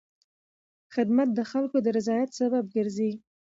خدمت د خلکو د رضایت سبب ګرځي.